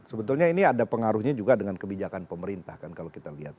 sebetulnya ini ada pengaruhnya juga dengan kebijakan pemerintah kan kalau kita lihat